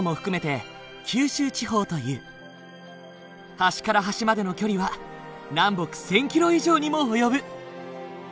端から端までの距離は南北１，０００キロ以上にも及ぶ。